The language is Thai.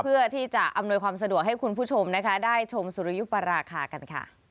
เพื่อที่จะอำนวยความสะดวกให้คุณผู้ชมนะคะได้ชมสุริยุปราคากันค่ะ